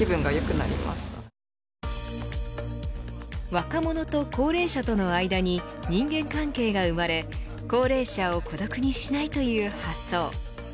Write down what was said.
若者と高齢者との間に人間関係が生まれ高齢者を孤独にしないという発想。